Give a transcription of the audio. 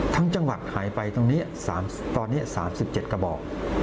ทั้งจังหวัดหายไปตรงนี้ตอนนี้๓๗กระบอก